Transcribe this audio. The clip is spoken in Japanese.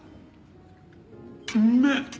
うめえっ！